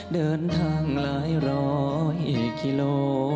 เดินทางหลายร้อยกิโล